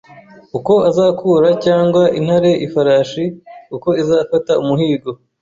uko azakura cyangwa intare ifarashi uko izafata umuhigo